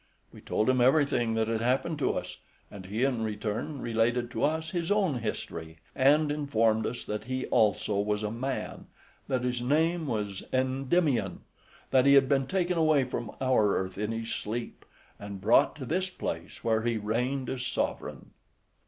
We told him everything that had happened to us; and he, in return, related to us his own history, and informed us, that he also was a man, that his name was Endymion, {82b} that he had been taken away from our earth in his sleep, and brought to this place where he reigned as sovereign.